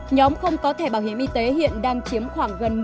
nhóm không có thẻ bảo hiểm y tế hiện đang chiếm khoảng gần một mươi năm dân số